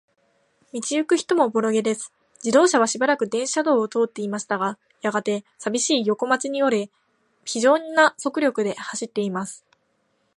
道ゆく人もおぼろげです。自動車はしばらく電車道を通っていましたが、やがて、さびしい横町に折れ、ひじょうな速力で走っています。